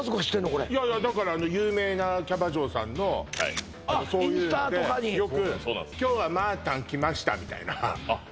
これいやいやだから有名なキャバ嬢さんのそういうのでよく「今日はまあたん来ました」みたいなあっ